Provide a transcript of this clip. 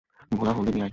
ভোলা, হলদি নিয়ে আয়।